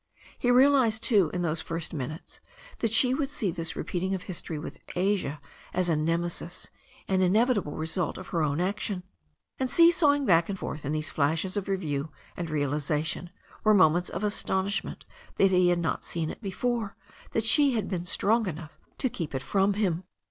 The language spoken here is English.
He realized too, in those first minutes, that she would see this repeating of history with Asia as a Nemesis, an inev itable result of her own action. And seesawing back and forth in these flashes of review and realization were moments of astonishment that he had not seen it before, and that she had been strong enough to keep it from him.